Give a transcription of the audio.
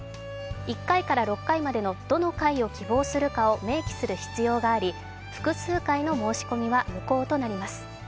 １回から６回までのどの回を希望するかを明記する必要があり複数回の申し込みは無効となります。